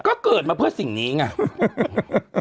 ก็เกิดมาเพื่อสิ่งนี้ไง